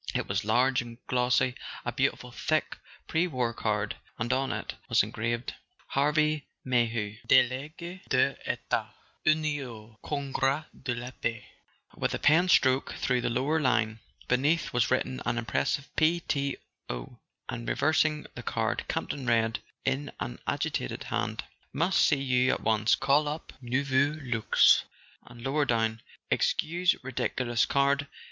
It was large and glossy, a beautiful thick pre war card; and on it was engraved: HARVEY MAYHEW DelSguS des Etats Unis au Congrfa de la Paix with a pen stroke through the lower line. Beneath was written an imperative "p.t.o."; and reversing the card, Campton read, in an agitated hand: "Must see you at once. Call up Nouveau Luxe"; and, lower down: "Excuse ridiculous card.